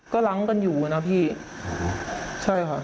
ก็ล้างกันอยู่นะพี่ใช่ค่ะ